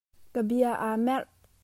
Ka bia a merh.